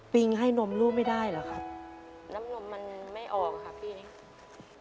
ปิ๊งให้นมรู้ไม่ได้เหรอค่ะน้ำนมมันไม่ออกค่ะพี่นี่